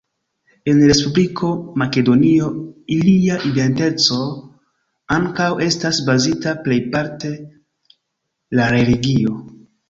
En Respubliko Makedonio ilia identeco ankaŭ estas bazita plejparte la religio.